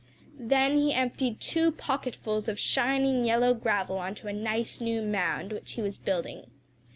Then he emptied two pocketfuls of shining yellow gravel on to a nice new mound which he was building.